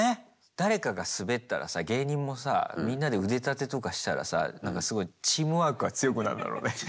誰かがスベったらさ芸人もさみんなで腕立てとかしたらさなんかすごいチームワークが強くなんだろうね。